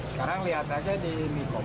sekarang lihat saja di mikomol